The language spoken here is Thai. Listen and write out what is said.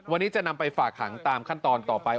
วันนี้จะนำไปฝากหังตามขั้นตอนต่อไป